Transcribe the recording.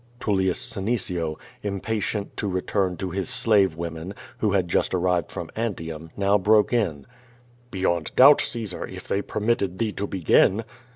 Tullius Senecio, impatient to return to his slave women, who had just arrived from Antium, now broke in: "Beyond doubt, Caesar, if tliey permitted thee to begin."